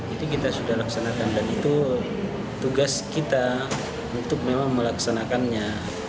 itu kita sudah laksanakan dan itu tugas kita untuk memang melaksanakannya